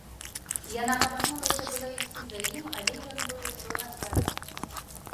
Яна памкнулася была ісці за ім, але ён быў ужо на двары.